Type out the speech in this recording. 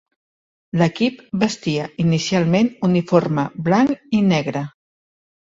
L'equip vestia inicialment uniforme blanc i negre.